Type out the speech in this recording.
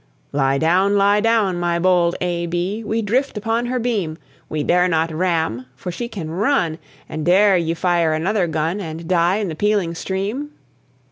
"Lie down, lie down, my bold A.B., We drift upon her beam; We dare not ram, for she can run; And dare ye fire another gun, And die in the peeling steam?"